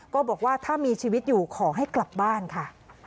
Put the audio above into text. ก็บอกว่าถ้ามีชีวิตอยู่ขอให้กลับบ้านค่ะ